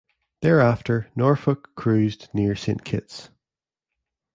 Thereafter "Norfolk" cruised near Saint Kitts.